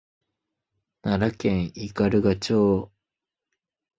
奈良県斑鳩町